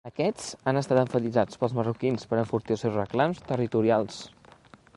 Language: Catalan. Aquests han estat emfatitzats pels Marroquins per enfortir els seus reclams territorials.